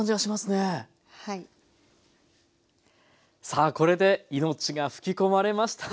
さあこれで命が吹き込まれました。